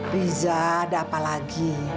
riza ada apa lagi